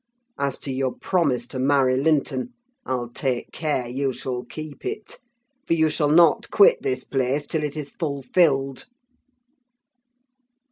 As to your promise to marry Linton, I'll take care you shall keep it; for you shall not quit this place till it is fulfilled."